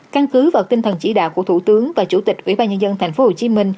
căn cứ vào tinh thần chỉ đạo của thủ tướng và chủ tịch ủy ban nhân dân tp hcm